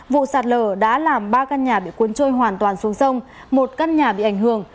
vụ sạt lở đã làm ba căn nhà bị cuốn trôi hoàn toàn xuống sông một căn nhà bị ảnh hưởng